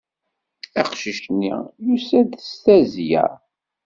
Aqcic-nni yusa-d d tazzla.